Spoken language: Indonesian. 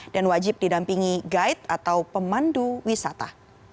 dan wajib didampingi guide atau pemandu wisata